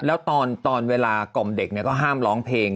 แล้วตอนเวลากล่อมเด็กก็ห้ามร้องเพลง